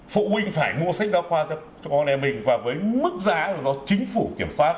mua sách giáo khoa cho con em mình và với mức giá do chính phủ kiểm soát